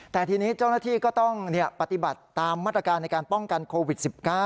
แต่ทีนี้เจ้าหน้าที่ก็ต้องปฏิบัติตามมาตรการในการป้องกันโควิด๑๙